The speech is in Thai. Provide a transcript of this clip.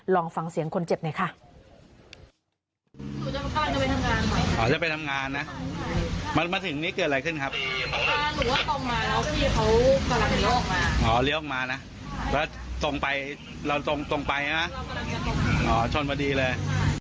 เรากำลังมาเนาะตรงไปลองส่งตรงไปนะมันคุณเขินขึ้นมาดีเลย